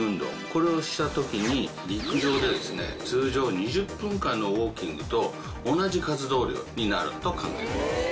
これをした時に陸上で通常２０分間のウオーキングと同じ活動量になると考えられます。